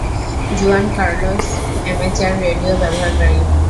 জুয়ান Carlos amateur radio ব্যবহারকারী।